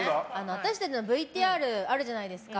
私たちのＶＴＲがあるじゃないですか。